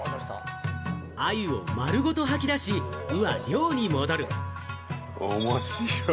アユを丸ごと吐き出し、鵜は漁に戻る。